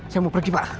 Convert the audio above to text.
saya mau pergi pak